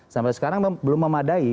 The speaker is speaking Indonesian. sampai sekarang belum memadai